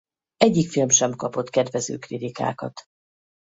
Egyik film sem kapott kedvező kritikákat.